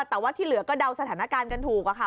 แต่ว่าที่เหลือก็เดาสถานการณ์กันถูกอะค่ะ